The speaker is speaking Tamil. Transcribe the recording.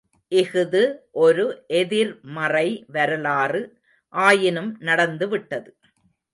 இஃது ஒரு எதிர்மறை வரலாறு, ஆயினும் நடந்துவிட்டது.